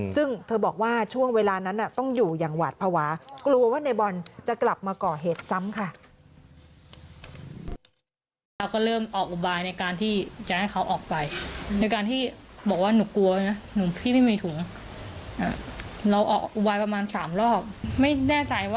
ซึ่งเธอบอกว่าช่วงเวลานั้นต้องอยู่อย่างหวาดภาวะกลัวว่าในบอลจะกลับมาก่อเหตุซ้ำค่ะ